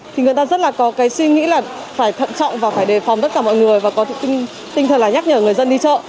thì người ta rất là có cái suy nghĩ là phải thận trọng và phải đề phòng tất cả mọi người và có tinh thần là nhắc nhở người dân đi chợ